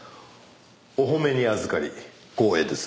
お褒めにあずかり光栄です。